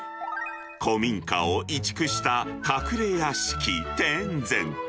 古民家を移築した隠れ屋敷、典膳。